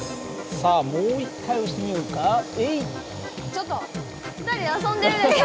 ちょっと２人で遊んでるでしょ！